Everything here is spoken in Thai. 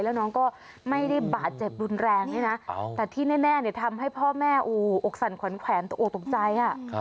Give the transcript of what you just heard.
แล้วน้องก็ไม่ได้บาดเจ็บรุนแรงด้วยนะแต่ที่แน่ทำให้พ่อแม่อกสั่นขวัญแขวนตกออกตกใจ